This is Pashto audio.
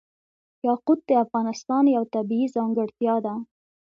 یاقوت د افغانستان یوه طبیعي ځانګړتیا ده.